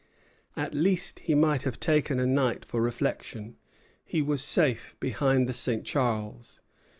At least he might have taken a night for reflection. He was safe behind the St. Charles.